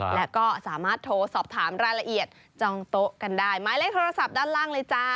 และก็สามารถโทรสอบถามรายละเอียดจองโต๊ะกันได้หมายเลขโทรศัพท์ด้านล่างเลยจ้า